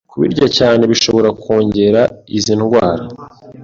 Kubirya cyane bishobora kongera izi ndwara